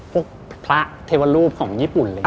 พวกพระเทวรูปของญี่ปุ่น